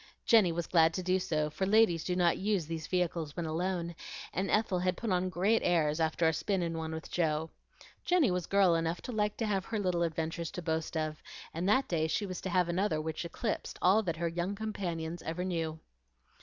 Jenny was glad to do so, for ladies do not use these vehicles when alone, and Ethel had put on great airs after a spin in one with Joe. Jenny was girl enough to like to have her little adventures to boast of, and that day she was to have another which eclipsed all that her young companions ever knew.